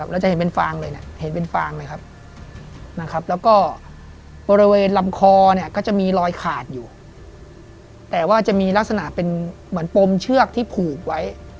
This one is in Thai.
แล้วก็บริเวณลำคอก็จะมีรอยขาดอยู่แต่ว่าจะมีลักษณะเป็นเหมือนปมเชือกที่ผูกไว้